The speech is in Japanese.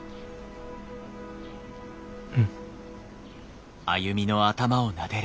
うん。